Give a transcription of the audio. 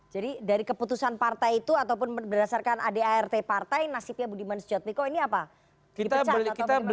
jadi dari keputusan partai itu ataupun berdasarkan adart partai nasibnya budiman sujatmiko ini apa